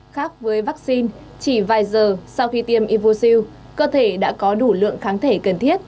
khác với vaccine chỉ vài giờ sau khi tiêm ivosiu cơ thể đã có đủ lượng kháng thể cần thiết